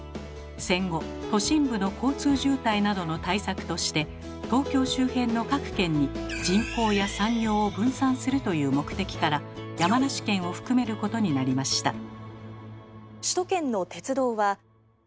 戦後都心部の交通渋滞などの対策として東京周辺の各県に人口や産業を分散するという目的から山梨県を含めることになりました。